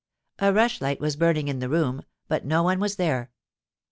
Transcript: A rush light was burning in the room; but no one was there.